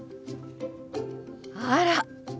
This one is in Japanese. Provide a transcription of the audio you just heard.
あら！